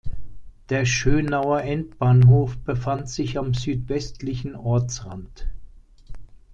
Der Schönauer Endbahnhof befand sich am südwestlichen Ortsrand.